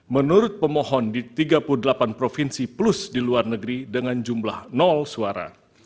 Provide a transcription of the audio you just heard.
menurut pemohon di tiga puluh delapan provinsi plus di luar negeri dengan jumlah suara